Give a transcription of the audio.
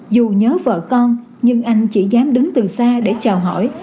dù nhớ vợ con nhưng anh chỉ dám đứng từ xa để chào hỏi